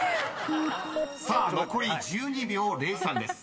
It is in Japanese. ［さあ残り１２秒０３です］